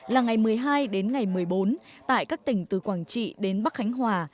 là ngày một mươi hai đến ngày một mươi bốn tại các tỉnh từ quảng trị đến bắc khánh hòa